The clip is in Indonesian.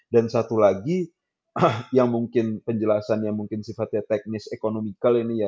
dan satu lagi yang mungkin penjelasannya sifatnya teknis ekonomikal ini ya